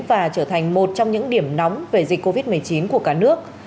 và trở thành một trong những điểm nóng về dịch covid một mươi chín của cả nước